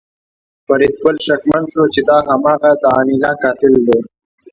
فریدګل شکمن شو چې دا هماغه د انیلا قاتل دی